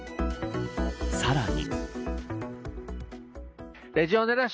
さらに。